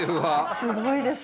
すごいですね。